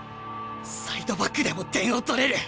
サイドバックでも点を取れる。